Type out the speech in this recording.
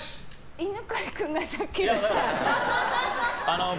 犬飼君がさっき言ったから。